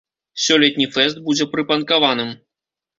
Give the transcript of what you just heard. Сёлетні фэст будзе прыпанкаваным.